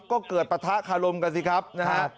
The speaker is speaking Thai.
ก็เกิดปะทะคารมกันสิครับนะฮะ